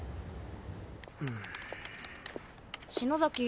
篠崎